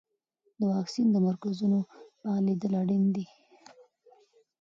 د واکسین د مرکزونو فعالیدل اړین دي.